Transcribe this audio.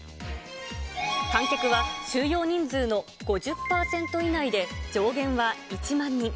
観客は、収容人数の５０％以内で、上限は１万人。